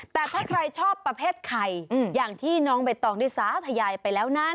แต่ถ้าใครชอบประเภทไข่อย่างที่น้องใบตองได้สาธยายไปแล้วนั้น